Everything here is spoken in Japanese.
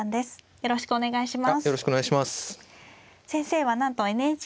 よろしくお願いします。